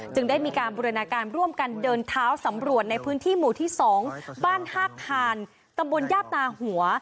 ได้มีการบูรณาการร่วมกันเดินเท้าสำรวจในพื้นที่หมู่ที่๒บ้านท่าคานตำบลยาบนาหัว